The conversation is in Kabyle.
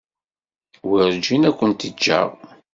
Werǧin ad kent-ǧǧeɣ.